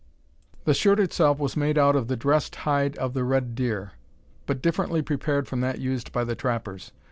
The shirt itself was made out of the dressed hide of the red deer, but differently prepared from that used by the trappers.